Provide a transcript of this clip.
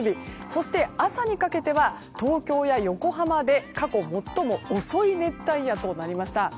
そして朝にかけては東京や横浜で過去最も遅い熱帯夜となりました。